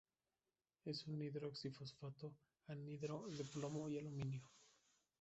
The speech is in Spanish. Es un hidroxi-fosfato anhidro de plomo y aluminio.